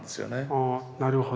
ああなるほど。